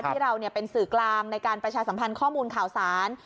ที่เราเป็นสื่อกลางในการประชาสัมพันธ์ข้อมูลข่าวสาร